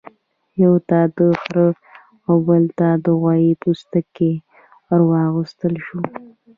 یوه ته د خرۀ او بل ته د غوايي پوستکی ورواغوستل شو.